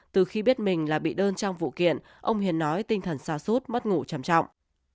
từ khi biết mình là bị đơn trong vụ kiện ông hiền nói tinh thần xa xút mất ngủ trầm trọng